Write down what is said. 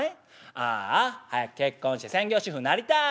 「ああ早く結婚して専業主婦になりたい。